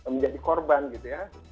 menjadi korban gitu ya